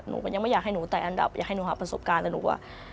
ยังไม่อยากให้หนูแต่อันดับอยากให้หนูหาประสบการณ์แต่หนูอะ